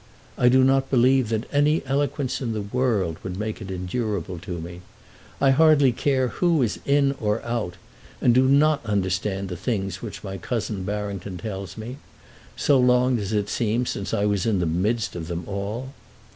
I do not believe that any eloquence in the world would make it endurable to me. I hardly care who is in or out, and do not understand the things which my cousin Barrington tells me, so long does it seem since I was in the midst of them all.